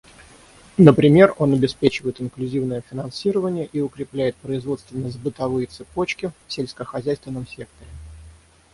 Например, он обеспечивает инклюзивное финансирование и укрепляет производственно-сбытовые цепочки в сельскохозяйственном секторе.